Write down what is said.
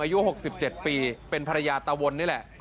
อายุ๖๗ปีเป็นภรรยาตะวน